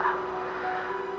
hanya orang biasa